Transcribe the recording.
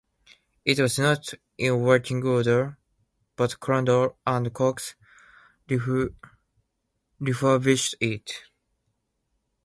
It was not in working order, but Crandall and Cox refurbished it.